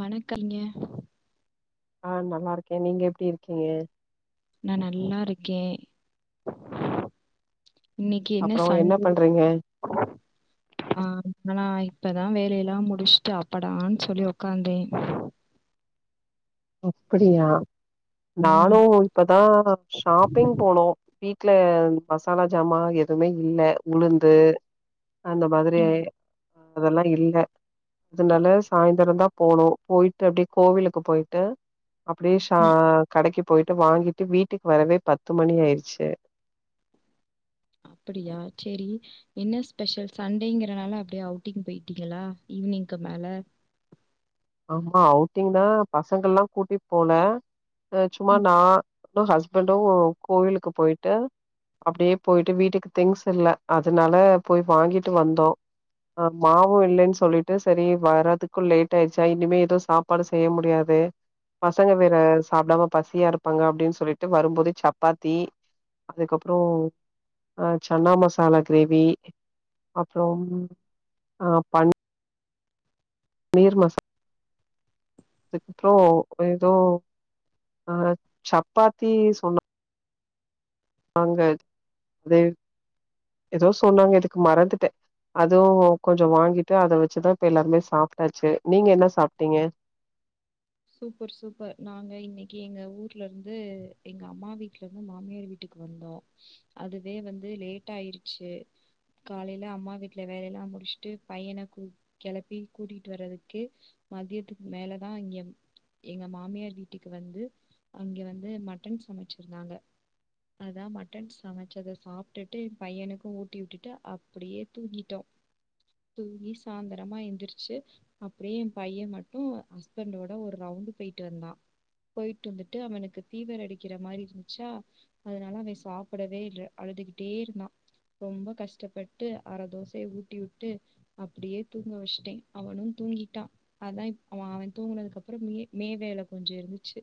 வணக்கைங்க ஆ நல்லா இருக்க நீங்க எப்டி இருக்கீங்க நா நல்லா இருக்கே இன்னிக்கு என்ன அப்றோ சண்டே பண்றீங்க ஆம் நானா இப்பதா வேலை எல்லா முடுசுட்டு அப்படான் சொல்லி உக்காந்தே அப்டியா நானு ம். இப்பதா ஷாப்பிங் போனோ வீட்ல மசலா ஜாமா எதுமே இல்ல உளுந்து அந்த மாதிரி ம். ஐ அதெல்லா இல்ல அதனால சாயிந்துரந்தா போனோ போயிட்டு அப்டியே கோவிலுக்கு போயி ட்டு அப்புடியே ஷா ம். கடைக்கு போயிட்டு வாங்கிட்டு வீட்டுக்கு வரவே பத்து மணி ஆயிருச்சு அப்படியா சேரி என்ன ஸ்பெஷல் சண்டேங்கிறனால அப்டியே அவுட்டிங் போயிட்டீங்களா ஈவ்னிங்க்கு மேல ஆமா அவுட்டிங் தா பசங்கள்லா கூட்டிட் போல அ சும்மா ம். நா னு ஹஸ்பண்டு கோவிலுக்கு போயிட்டு அப்டியே போயிட்டு வீட்டுக்கு திங்ஸ் இல்ல அதுனால போய் வாங்கிட்டு வந்தோ அ மாவு இல்லன் சொல்லிட்டு செரி வரதுக்கு லேட் ஆயி ச்சா இனிமே எதுவு சாப்பாடு செய்ய முடியாது பசங்க வேற சாப்டாம பசியா இருப்பாங்க அப்டின் சொல்லிட்டு வரும்போது சப்பாத்தி அதுக்கப்றோ அ சன்னா மசாலா கிரேவி அப்றொம் அ பன் னீர் மசாலா அதுக்கப்றோ ஏதோ ஆ சப்பாத்தி சொன்னா ங்க அது எதோ சொன்னாங்க எதுக்கு மறந்துட்டே அதுவு கொஞ்சொ வாங்கிட்டு அத வச்சுதா இப்ப எல்லாருமே சாப்டாச்சு நீங்க என்ன சாப்டீங்க? சூப்பர் சூப்பர் நாங்க இன்னக்கி எங்க ஊர்ல இருந்து எங்க அம்மா வீட்லருந்து மாமியார் வீட்டுக்கு வந்தோ அதுவே வந்து லேட் ஆயிருச்சு காலைல அம்மா வீட்ல வேலெல்லா முடிச்ட்டு பையன கூ கெளப்பி கூட்டிட்டு வர்றதுக்கு மதியத்துக்கு மேலதா இங்க எங்க மாமியார் வீட்டுக்கு வந்து அங்க வந்து மட்டன் சமச்சிருந்தாங்க அதா மட்டன் சமச்சத சாப்டுட்டு எ பையனுக்கு ஊட்டி வுட்டிட்டு அப்புடியே தூங்கிட்டோ தூங்கி சாந்திரமா எந்திரிச்சு அப்புடியே எ பைய மட்டு ஹஸ்பண்டோ ட ஒரு ரவுண்டு போய்ட்டு வந்தா போய்ட்டு வந்துட்டு அவனுக்கு ஃபீவர் அடிக்கிற மாரி இருந்ச்சா அதுனால அவெ சாப்புடவே இல்ல அழுதுகிட்டே இருந்தா ரொம்ப கஷ்டப்பட்டு அர தோசைய ஊட்டி வுட்டு அப்டியே தூங்க வச்டே அவனு தூங்கிட்டா அதா இப் அவ அவெ தூங்குனதுக்கப் றமே மே வேல கொஞ்சொ இருந்துச்சு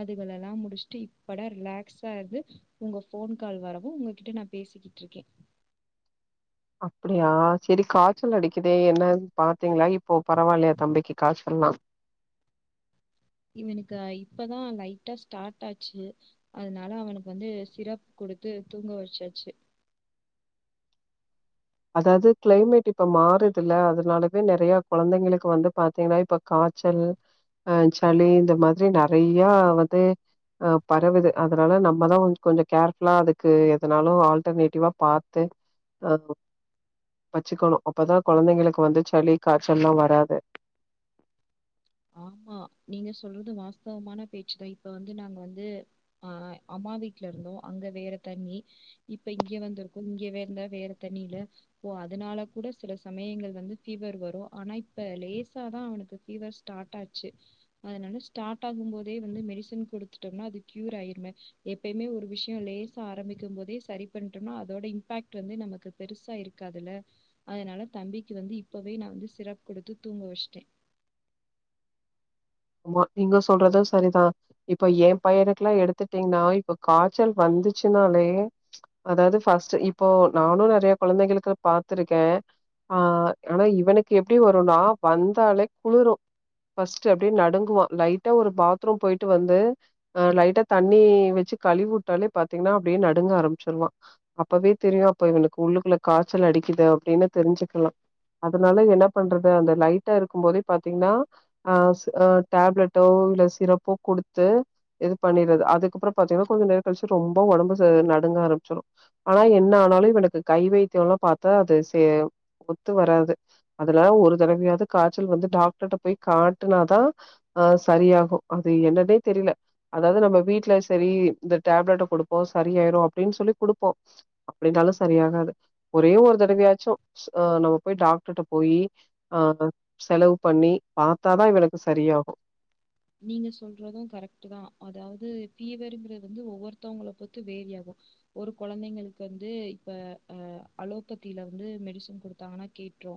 அதுகளல்லா முடுச்ட்டு இப்படா ரிலாக்ஸா இருந்து உங்க ஃபோன் கால் வரவு உங்ககிட்ட நா பேசிக்கிட்ருக்கே அப்புடியா செரி காய்ச்சல் அடிக்குதே என்னன் பா த்திங்ளா இப்போ பரவால்லயா தம்பிக்கு காய்ச்சல்லா இவனுக்கு இப்பதா லைட்டா ஸ்டார்ட் ஆச்சு அதுனால அவனுக்கு வந்து சிரப் குடுத்து தூங்க வச்சாச்சு அதாவ்து கிளைமேட் இப்ப மாறுதுல்ல அதுனாலவே நெறைய கொழந்தைங்களுக்கு வந்து பாத்தீங்கனா இப்ப காய்ச்சல் அ சளி இந்த மாதிரி நெறைய வந்து ஆ பரவுது அதுனால நம்மதா வந் கொஞ்சொ கேர்ஃபுல்லா அதுக்கு எதுனாலு ஆல்டர்னேட்டிவா பாத்து அவ வச்சுக்கனு அப்பதா கொழந்தைங்களுக்கு வந்து சளி காய்ச்சல்லா வராது ஆமா நீங்க சொல்றது வாஸ்தவமான பேச்சுதா இப்ப வந்து நாங்க வந்து ஆ அம்மா வீட்லருந்தோ அங்க வேற தண்ணி இப்ப இங்க வந்துருக்கோ இங்க வெந்தா வேற தண்ணீல ஓ அதனால கூட சில சமயங்கள் வந்து ஃபீவர் வரு ஆனா இப்ப லேசா தா அவனுக்கு ஃபீவர் ஸ் டாட் ஆச்சு அதுனால ஸ்டார்ட் ஆகும் போதே வந்து மெடிசன் குடுத்துட்டோம்னா அது க்யூர் ஆயிரும எப்பய்மே ஒரு விஷ்யொ லேசா ஆரம்பிக்கும் போதே சரி பண்டொம்னா அதோட இம்பாக்ட் வந்து நமக்கு பெருசா இருக்காதுல அதனால தம்பிக்கு வந்து இப்பவே நா வந்து சிரப் குடுத்து தூங்க வச்டே ஆமா நீங்க சொல்றது சரிதா இப்ப எ பையனுக்லா எடுத்துட்டீங்னா இப்ப காச்சல் வந்துச்சுன்னாலே அதாவ்து ஃபஸ்ட்டு இப்போ நானு நறைய கொழந்தைகளுக்கு பாத்துருக்கே ஆ ஆனா இவனுக்கு எப்டி வருனா வந்தாலே குளிரு ஃபர்ஸ்டு ப்டே நடுங்குவா லைட்டா ஒரு பாத்ரூம் போயிட்டு வந்து அ லைட்டா தண்ணி வச்சு கழிவுட்டாலே பாத்தீங்னா அப்டியே நடுங்க ஆரம்பிச்சிருவா அப்பவே தெரியு அப்ப இவனுக்கு உள்ளுள்ள காச்சல் அடிக்குது அப்டின்னு தெரிஞ்சுக்கலா அதுனால என்ன பண்றது அந்த லைட்டா இருக்கும் போதே பாத்தீங்னா ஆ அ டேப்லெட்டோ இல்ல சிரப்போ குடுத்து இது பண்ணிரது அதுக்கப்றொ பாத்தீங்னா கொஞ்ச நேர் கழ்ச்சு ரொம்ப ஒடம்பு ச நடுங்க ஆரம்பிச்சிடு ஆனா என்ன ஆனாலு இவனுக்கு கை வைத்தியொல்லா பாத்தா அது செ ஒத்து வராது அதுனால ஒரு தடவயாவ்து காச்சல் வந்து டாக்டர்ட போய் காட்டுனா தா அ சரியாகு அது என்னன்னே தெரில அதாவ்து நம்ம வீட்ல செரி இந்த டேப்லெட்ட குடுப்போ சரியாயிரு அப்டின் சொல்லி குடுப்போ அப்டின்னாலு சரியாகாது ஒரே ஒரு தடவயாச்சு ஆ நம்ம போய் டாக்டர்ட போயி ஆ செலவு பண்ணி பாத்தாதா இவனுக் கு சரியாகு நீங்க சொல்றது கரெக்ட்டு தா அதாவுது ஃபீவருங்குறது வந்து ஒவ்வொருத்தவுங்கள பொறுத்து வேரியாகு ஒரு கொழந்தைங்களுக்கு வந்து இப்ப அ அலோபத்தில வந்து மெடிசன் குடுத்தாங்கனா கேட்ரு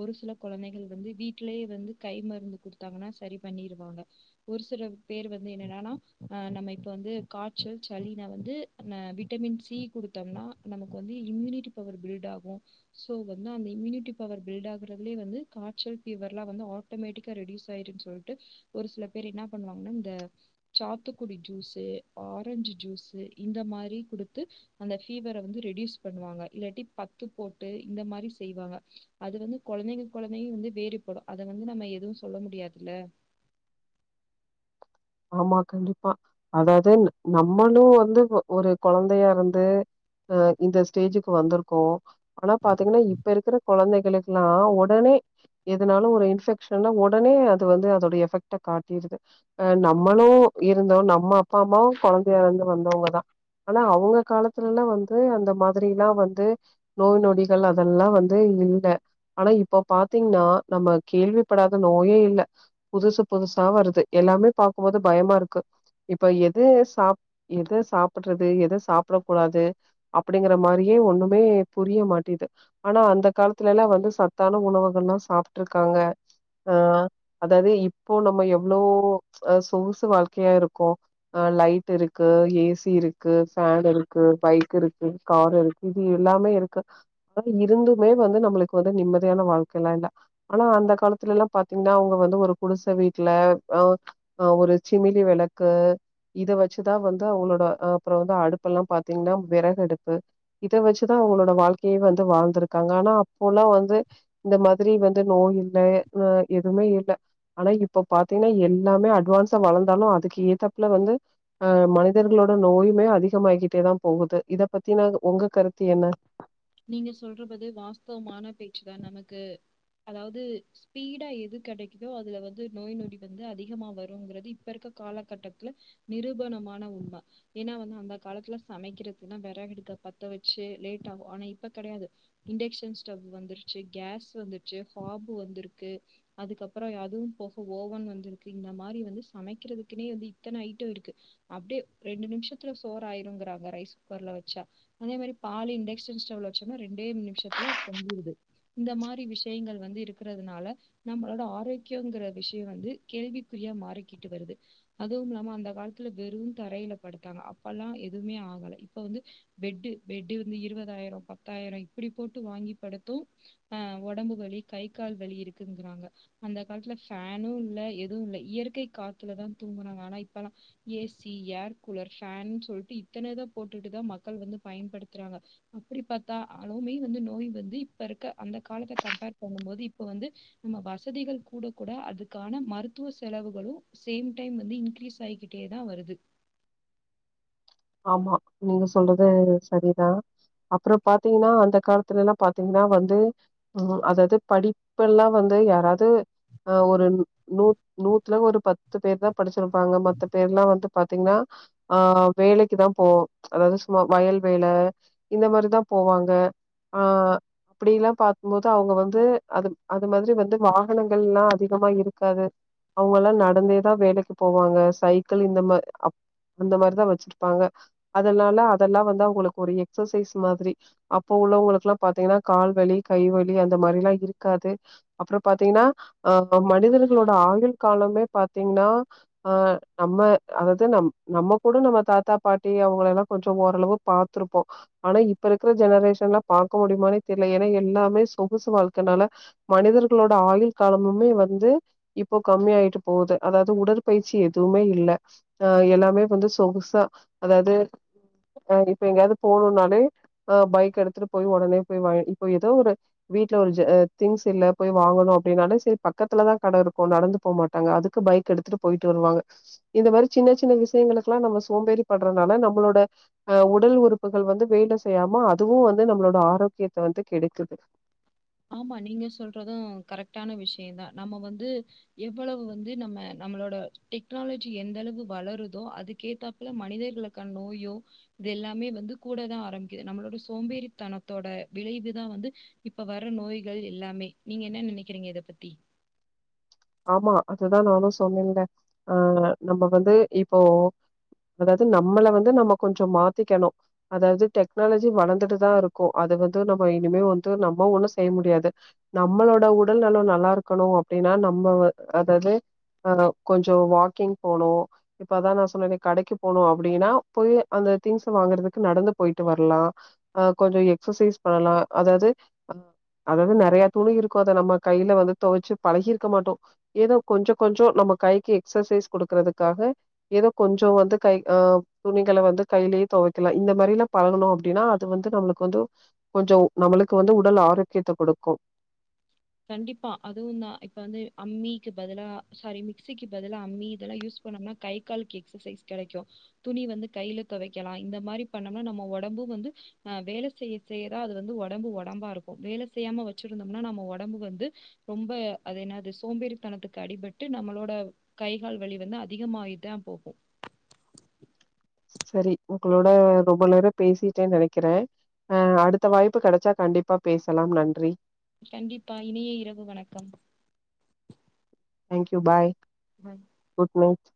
ஒரு சில கொழந்தைகள் வந்து வீட்லயே வந்து கை மருந்து குடுத்தாங்கனா சரி பண்ணிருவாங்க ஒரு சில பேர் வந்து என்னடான்னா அ நம்ம இப்ப வந்து காச்சல் சளினா வந்து நம்ம விட்டமின் சி குடுத்தோம்னா நமக்கு வந்து இம்யூனிட்டி பவர் பில்ட் ஆகு சோ வந்து அந்த இம்யூனிட்டி பவர் பில்ட் ஆகுறதுலயே வந்து காய்ச்சல் ஃபீவர்லா வந்து ஆட்டோமேட்டிக்கா ரெட்யூஸ் ஆயிருன் சொல்ட்டு ஒரு சில பேர் என்ன பண்ணுவாங்னா இந்த சாத்துக்குடி ஜூஸுஆரஞ்சு ஜூஸு இந்த மாரி குடுத்து அந்த ஃபீவர வந்து ரெட்யூஸ் பண்ணுவாங்க இல்லாட்டி பத்து போட்டு இந்த மாரி செய்வாங்க அது வந்து கொழந்தைங்க கொழந்தையு வந்து வேறுபடு அத வந்து நம்ம எதுவு சொல்ல முடியாதுல்ல ஆமா கண்டிப்பா அதாவது நம்மளு வந்து ஒரு கொழந்தையா இருந்து அ இந்த ஸ்டேஜுக்கு வந்துருக்கோ ஆனா பாத்தீங்னா இப்ப இருக்குற கொழந்தைகளுக்லா ஒடனே எதுனாலு ஒரு இன்ஃபெக்ஷன்னா ஒடனே அது வந்து அதோட எஃபெக்ட காட்டிருது அ நம்மளும் இருந்தோ நம்ம அப்பா அம்மாவு கொழந்தையா இருந்து வந்தவுங்க தா ஆனா அவீங்க காலத்துலல்லா வந்து அந்த மாதிரில்லா வந்து நோய் நொடிகள் அதெல்லா வந்து இல்ல ஆனா இப்ப பாத்தீங்னா நம்ம கேள்விப்படாத நோயே இல்ல புதுசு புதுசா வருது எல்லாமே பாக்கும்போது பயமா இருக்கு இப்ப எது சாப் எது சாப்புட்றது எத சாப்புட கூடாது அப்டிங்கிற மாரியே ஒன்னுமே புரிய மாட்டிது ஆனா அந்த காலத்துலல்லா வந்து சத்தான உணவுகள்லா சாப்ட்ருக்காங்க ஆ அதாது இப்போ நம்ம எவ்ளோ அ சொகுசு வாழ்க்கையா இருக்கு ஆ லைட் இருக்கு ஏ சி இருக்கு ஃபேன் இருக்கு பைக் இருக்கு கார் இருக்கு இது எல்லாமே இருக்கு ஆனா இருந்துமே வந்து நம்மளுக்கு வந்து நிம்மதியான வாழ்க்கலா இல்ல ஆனா அந்த காலத்துலெல்லா பாத்தீங்னா அவுங்க வந்து ஒரு குடிச வீட்ல அ அ ஒரு சிமிலி விளக்கு இத வச்சுதா வந்து அவுங்களோட அ அப்ற வந்து அடுப்பெல்லா பாத்தீங்னா விறகடுப்பு இத வச்சுதா அவுங்களோட வாழ்க்கையே வந்து வாழ்ந்துருக்காங்க ஆனா அப்போலா வந்து இந்த மாதிரி வந்து நோய் இல்ல அ எதுவ்மே இல்ல ஆனா இப்ப பாத்தீங்னா எல் லாமே அட்வான்ஸா வளந்தாலு அதுக்கு ஏத்தப்ல வந்து அ மனிதர்களோட நோயுமே அதிகமாய்கிட்டே தா போகுது இத பத்தினா உங்க கருத்து என்ன? நீங்க சொல்றபது வாஸ்தவமான பேச்சுதா நமக்கு அதாவ்து ஸ்பீடா எது கெடைக்குதோ அதுல வந்து நோய் நொடி வந்து அதிகமா வருங்கிறது இப்ப இருக்க காலகட்டத்துல நிரூபணமான உண்ம ஏனா வந்து அந்த காலத்துல சமைக்கிறதுன்னா வெறகடுக்க பத்த வச்சு லேட் ஆகு ஆனா இப் அப்ப கெடையாது இன்டக்ஷன் ஸ்டவ் வந்துருச்சு கேஸ் வந்துர்ச்சு ஃபாம்பு வந்துருக்கு அதுக்கப்றொ அதுவு போக ஓவன் வந்துருக்கு இந்த மாரி வந்து சமைக்கிறதுக்குன்னே வந்து இத்தன ஐட்டொ இருக்கு அப்டே ரெண்டு நிம்ஷத்துல சோறு ஆயிருங்குறாங்க ரைஸ் குக்கர்ல வச்சா அதே மாரி பால் இன்டக்ஷன் ஸ்டவ்ல வச்சம்னா ரெண்டே நிமிஷத்துல பொங்கிருது இந்த மாரி விஷ்யங்கள் வந்து இருக்கிறதுனால நம்மளோட ஆரோக்கியொங்கிற விஷயொ வந்து கேள்விக்குறியா மாறிக்கிட்டு வருது அதுவும் இல்லாம அந்த காலத்துல வெறு தரையில படுத்தாங்க அப்பல்லா எதுவ்மே ஆகல இப்ப வந்து பெட்டு பெட்டு வந்து இருவதாயிரொ பத் தாயிரொ இப்பிடி போட்டு வாங்கி படுத்து ஆ ஒடம்பு வலி கை கால் வலி இருக்குங்கிறாங்க அந்த காலத்துல ஃபேனு இல்ல எதுவுல்ல இயற்கை காத்துல தா தூங்குனாங்க ஆனா இப்பல்லா A C air cooler fan சொல்ட்டு இத்தன இத போட்டுட்டு தா மக்கள் வந்து பயன்படுத்துறாங்க அப்டி பா த்தா ஆலவுமே வந்து நோய் வந்து இப்பருக்க அந்த காலத்த கம்பேர் பண்ணும் போது இப்ப வந்து நம்ம வசதிகள் கூட கூட அதுக்கான மருத்துவ செலவுகளு சேம் டைம் வந்து இன்கிரீஸ் ஆயிக்கிட்டேதா வருது ஆமா நீங்க சொல்றது சரிதா அப்றொ பாத்தீங்கனா அந்த காலத்துலல்லா பாத்தீங்னா வந்து ம் அதது படிப்பெல்லா வந்து யாராது அ ஒரு நூ நூத்துல ஒரு பத்து பேருதா படிச்சிருப்பாங்க மத்த பேர்லா வந்து பாத்தீங்னா ஆ வேலைக்கு தா போவ அதாவ்து சும்மா வயல் வேல இந்த மாரிதா போவாங்க ஆ அப்டிலா பாக்கும்போது அவுங்க வந்து அது அது மாதிரி வந்து வாகனங்கள்லா அதிகமா இருக்காது அவுங்கல்லா நடந்தேதா வேலைக்கு போவாங்க சைக்கிள் இந்த மா அப் அந்த மாரிதா வச்சிரு ப்பாங்க அதுனால அதெல்லா வந்து அவுங்களுக்கு ஒரு எக்சசைஸ் மாதிரி அப்போ உள்ளவுங்களுக்லா பாத்தீங்கனா கால்வலி கைவலி அந்த மாரில்லா இருக்காது அப்றொ பாத்தீங்னா அ மனிதர்களோட ஆயுள் காலமே பாத்தீங்னா அ நம்ம அது நம் நம்ம கூட நம்ம த தாத்தா பாட்டி அவுங்கள எல்லா கொஞ்சோ ஓரளவு பாத்துருப்போ ஆனா இப்ப இருக்குற ஜெனரேஷன்ல பாக்க முடியுமானே தெர்ல ஏன்னா எல்லாமே சொகுசு வாழ்க்கனால மனிதர்களோட ஆயுள் காலமுமே வந்து இப்போ கம்மியா ஆயிட்டு போது அதாவுது உடல் பயிற்சி எதுமே இல்ல ஆ எல்லாமே கொஞ்சோ சொகுசா அதாவது இப்ப எங்கயாவது போணுன்னாலே அ பைக் எடுத்துட்டு போய் ஒடனே போய் வாங்க இப்ப எதோ ஒரு வீட்ல ஒரு திங்ஸ் இல்ல போய் வாங்கணு அப்டின்னாலே சேரி பக்கத்துலதா கட இருக்கு நடந்து போமாட்டாங்க அதுக்கு பைக் எடுத்துட்டு போயிட்டு வருவாங்க இந்த மாரி சின்ன சின்ன விஷ்யங்களுக்குல்லா நம்ம சோம்பேறி படுறனால நம்மளோட அ உடல் உறுப்புகள் வந்து வேல செய்யாம அதுவு வந்து நம்மளோட ஆரோக்கியத்த வந்து கெடுக்குது ஆமா நீங்க சொல்றது கரெட்டான விஷ்யந்தா நம்ம வந்து எவ்வளவு வந்து நம்ம நம்மளோட டெக்னாலஜி எந்த அளவு வளருதோ அதுக்கேத்தாப்ல மனிதர்களுக்கான நோயோ இது எல்லாமே வந்து கூடதா ஆரம்பிக்குது நம்மளோட சோம்பேறித்தனத்தோட விளைவுதா வந்து இப் இப்ப வர நோய்கள் எல்லாமே நீங்க என்ன நெனைக்கிறீங்க இத பத்தி ஆமா அதுன் நானு சொல்லனுங்க ஆ நம்ம வந்து இப்போ அதாவது நம்மள வந்து நம்ம கொஞ்சோ மாத்திக்கணு அதாவது டெக்னாலஜி வளந்துட்டுதா இருக்கு அது வந்து நம்ம இனிமே வந்து நம்ம ஒண்ணு செய்ய முடியாது நம்மளோட உடல் நலோ நல்லா இருக்கணு அப்டின்னா நம் நம்ப வ அதாலது கொஞ்சோ வாக்கிங் போனு இப்பதா நா சொன்னனே கடைக்கு போனு அப்டின்னா போய் அந்த திங்ஸ் வாங்கறதுக்கு நடந்து போயிட்டு வர்லா அ கொஞ்சோ எக்சசைஸ் பண்ணலா அதாவது ஆ அதாவது நறையா துணி இருக்கு அத நம்ம கையில வந்து தொவச்சு பழகிரு இருக்க மாட்ம் எதோ கொஞ்சோ கொஞ்சோ நம்ம கைக்கு எக்சசைஸ் கூடுக்கறதுக்காக எதோ கொஞ்சோ வந்து கை ஆ துணிகள வந்து கைலயே தொவைக்கல இந்த மாரி எல்லா பழகுனோ அப்டின்னா அது வந்து நம்மளுக்கு வந்து கொஞ்சோ நம்மளுக்கு வந்து உடல் ஆரோக்கியத்த குடுக்கு கண்டிப்பா அதுவுந்தா இப்ப வந்து அம்மிக்கு பதிலா சாரி மிக்சிக்கு பதிலா அம்மி இதெல்லா யூஸ் பண்ணோன்னா கை காலுக்கு எக்சசைஸ் கெடைக்கு துணி வந்து கையில தொவைக்கலா இந்த மாரி பண்ணோம்னா நம்ம ஒடம்பு வந்து அ வேல செய்ய செய்யதா அது வந்து ஒடம்பு ஒடம்பா இருக்கு வேல செய்யாம வெச்சுருந்தோம்னா நம்ம ஒடம் ஒடம்பு வந்து ரொம்ப அது என்னது சோம்பேறித்தனத்துக்கு அடிபட்டு நம்மளோட கை கால் வழி வந்து அதிகமாயிதா போகு சேரி உங்களோட ரொம்ப நேரோ பேசிட்ட நெனைக்கிற அ அடுத்த வாய்ப்பு கெடைச்சா கண்டிப்பா பேசலாம் நன்றி கண்டிப்பா இனிய இரவு வணக்கம் தேங்க்யூ பாய் குட்னைட்